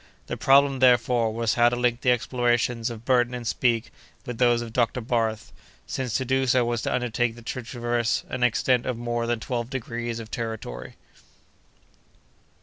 The problem, therefore, was how to link the explorations of Burton and Speke with those of Dr. Barth, since to do so was to undertake to traverse an extent of more than twelve degrees of territory.